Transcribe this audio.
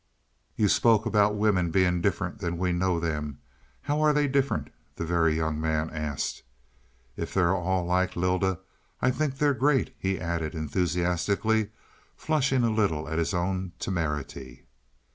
"You spoke about women being different than we knew them; how are they different?" the Very Young Man asked. "If they're all like Lylda I think they're great," he added enthusiastically, flushing a little at his own temerity.